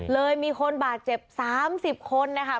เลยมีคนบาดเจ็บ๓๐คนนะคะ